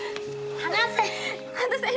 離せ！